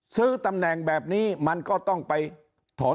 ซื้อตำแหน่งแบบนี้มันก็ต้องไปถอน